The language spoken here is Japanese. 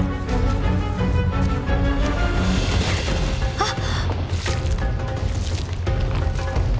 「あっ！」。